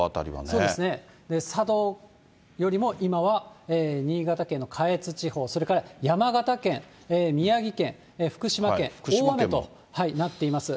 そうですね、佐渡よりも今は新潟県の下越地方、それから山形県、宮城県、福島県、大雨となっています。